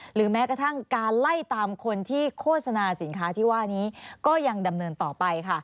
หรือแม้กระทั่งการไล่ตามคนที่โฆษณาสินค้าที่ว่านี้ก็ยังดำเนินต่อไปค่ะ